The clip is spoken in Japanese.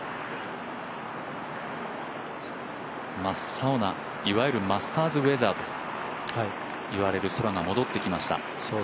真っ青な、いわゆるマスターズウエザーといわれる空が戻ってきました。